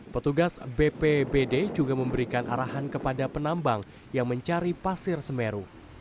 petugas bpbd juga memberikan arahan kepada penambang yang mencari pasir semeru